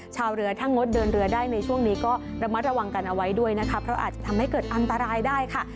ชาวเรือถ้างดเดินเรือได้ในช่วงนี้ก็ระมัดระวังกันเอาไว้ด้วยนะคะเพราะอาจจะทำให้เกิดอันตรายได้ค่ะ